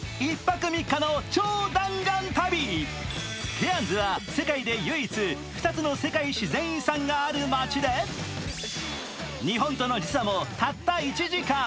ケアンズは世界で唯一２つの世界自然遺産がある街で日本との時差もたった１時間。